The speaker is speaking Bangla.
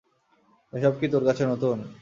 এসব কী তোর কাছে নতুন।